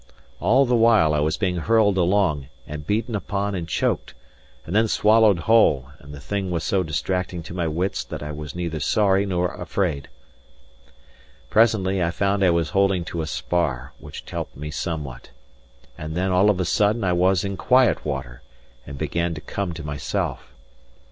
All the while, I was being hurled along, and beaten upon and choked, and then swallowed whole; and the thing was so distracting to my wits, that I was neither sorry nor afraid. Presently, I found I was holding to a spar, which helped me somewhat. And then all of a sudden I was in quiet water, and began to come to myself.